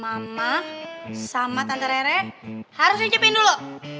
mama sama tante rere harus nyicipin dulu